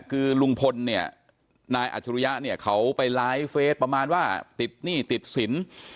คือลุงพลนายอัธรุยะเนี่ยเขาไปล้ายเฟสประมาณว่าติดหนี้ติดสิน